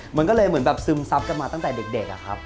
มันก็เลยเหมือนแบบซึมซับกันมาตั้งแต่เด็กอะครับ